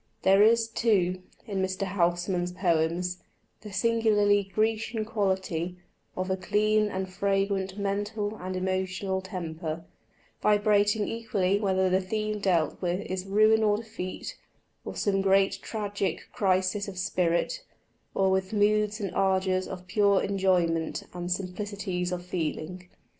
There is, too, in Mr. Housman's poems, the singularly Grecian Quality of a clean and fragrant mental and emotional temper, vibrating equally whether the theme dealt with is ruin or defeat, or some great tragic crisis of spirit, or with moods and ardours of pure enjoyment and simplicities of feeling.